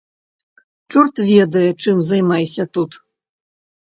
Чорт ведае чым займайся тут.